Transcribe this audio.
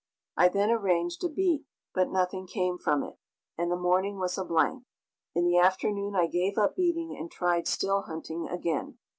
I then arranged a beat, but nothing came from it, and the morning was a blank. In the afternoon I gave up beating and tried still hunting again.